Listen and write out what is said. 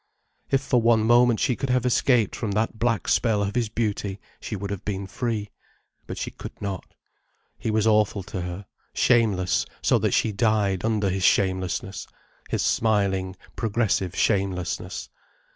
If for one moment she could have escaped from that black spell of his beauty, she would have been free. But she could not. He was awful to her, shameless so that she died under his shamelessness, his smiling, progressive shamelessness.